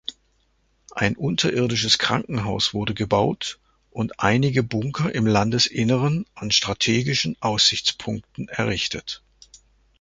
Ein unterirdisches Krankenhaus wurde gebaut und einige Bunker im Landesinneren an strategischen Aussichtspunkten errichtet.